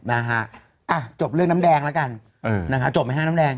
อะจบเรื่องน้ำแดงแล้วกันจบไหมฮะน้ำแดง